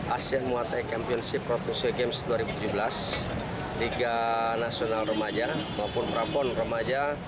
asean muay thai championship provinsi sea games dua ribu tujuh belas liga nasional remaja maupun prapon remaja